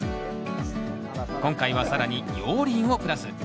今回は更に熔リンをプラス。